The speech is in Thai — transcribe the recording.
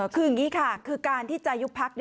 คืออย่างนี้ค่ะคือการที่จะยุบพัก